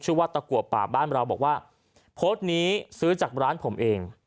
ว่าตะกัวป่าบ้านเราบอกว่าโพสต์นี้ซื้อจากร้านผมเอง